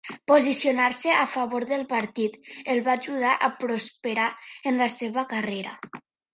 "Posicionar-se a favor del partit" el va ajudar a prosperar en la seva carrera.